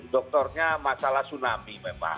doktornya masalah tsunami memang